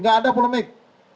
gak ada polemik